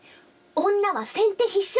女は先手必勝！